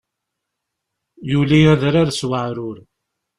Yuli adrar s weεrur.